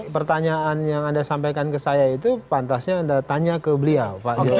pertanyaan yang anda sampaikan ke saya itu pantasnya anda tanya ke beliau pak jokowi